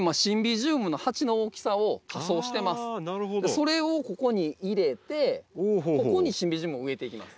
それをここに入れてここにシンビジウムを植えていきます。